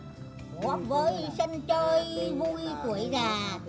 hóa với sân chơi vui tuổi già